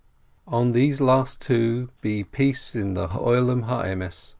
On these last two be peace in the Olom ho Emess.